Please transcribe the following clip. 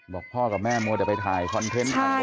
บอกพ่อกับแม่มัวแต่ไปถ่ายคอนเทนต์ถ่าย